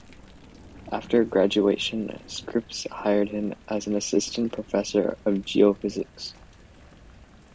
After graduation, Scripps hired him as an assistant professor of geophysics.